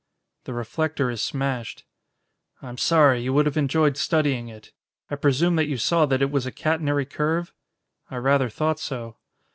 "The reflector is smashed." "I'm sorry. You would have enjoyed studying it. I presume that you saw that it was a catenary curve?" "I rather thought so."